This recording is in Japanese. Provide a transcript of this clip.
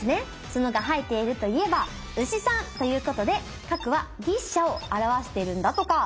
つのが生えているといえば牛さん。ということで角は牛車を表してるんだとか。